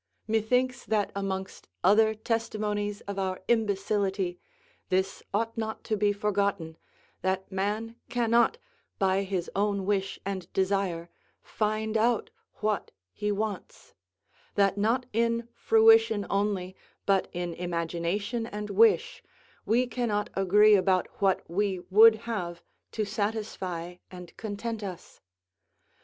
Methinks that amongst other testimonies of our imbecility, this ought not to be forgotten, that man cannot, by his own wish and desire, find out what he wants; that not in fruition only, but in imagination and wish, we cannot agree about what we would have to satisfy and content us.